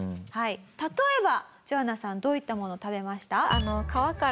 例えばジョアナさんどういったもの食べました？